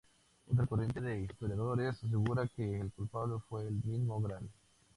Otra corriente de historiadores asegura que el culpable fue el mismo Gral.